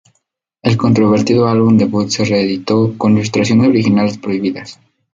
El controvertido álbum debut se reeditó con ilustraciones originales prohibidas.